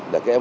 để các em